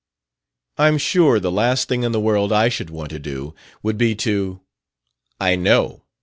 "I'm sure the last thing in the world I should want to do would be to " "I know.